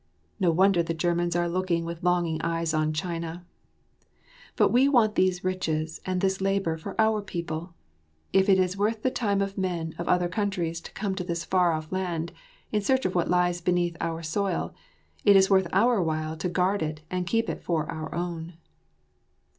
No wonder the Germans are looking with longing eyes on China! But we want these riches and this labour for our people. If it is worth the time of men of other countries to come to this far off land in search of what lies beneath our soil, it is worth our while to guard it and keep it for our own.